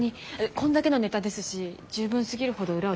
こんだけのネタですし十分すぎるほど裏をとってるはずです。